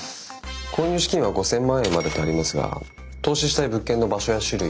購入資金は５，０００万円までとありますが投資したい物件の場所や種類